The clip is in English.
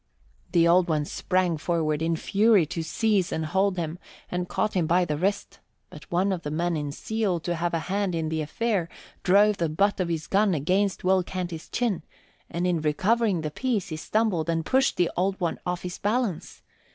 The Old One sprang forward in fury to seize and hold him, and caught him by the wrist; but one of the men in zeal to have a hand in the affair drove the butt of his gun against Will Canty's chin, and in recovering the piece he stumbled and pushed the Old One off his balance.